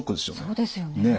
そうですよね。